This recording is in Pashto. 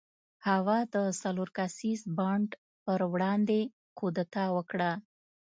هوا د څلور کسیز بانډ پر وړاندې کودتا وکړه.